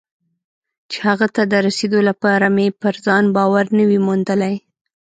چې هغه ته د رسېدو لپاره مې پر ځان باور نه وي موندلی.